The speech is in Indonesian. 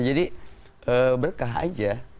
jadi berkah aja